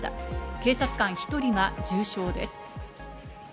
警察官１人が重傷です。